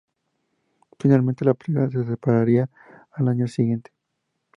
Finalmente la pareja se separaría al año siguiente.